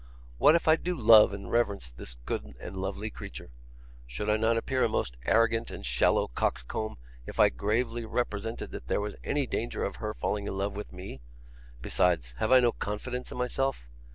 What if I do love and reverence this good and lovely creature. Should I not appear a most arrogant and shallow coxcomb if I gravely represented that there was any danger of her falling in love with me? Besides, have I no confidence in myself?